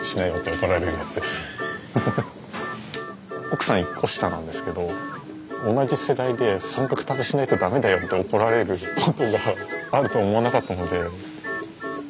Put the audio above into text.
奥さん１個下なんですけど同じ世代で「三角食べしないと駄目だよ」って怒られることがあるとは思わなかったので。